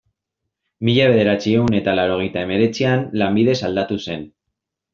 Mila bederatziehun eta laurogeita hemeretzian, lanbidez aldatu zen.